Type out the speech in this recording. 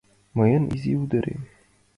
Мыйын изи ӱдырем